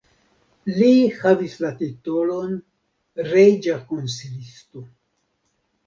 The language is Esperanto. Li havis la titolon reĝa konsilisto.